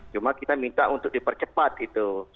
cuma kita minta untuk dipercepat gitu